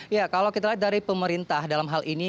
ya kalau kita lihat dari pemerintah dalam hal ini